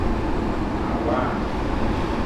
หาว่า